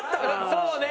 そうね。